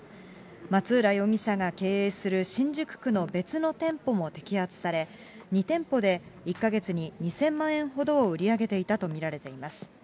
松浦容疑者が経営する新宿区の別の店舗も摘発され、２店舗で１か月に２０００万円ほどを売り上げていたと見られています。